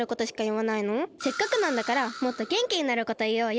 せっかくなんだからもっとげんきになることいおうよ。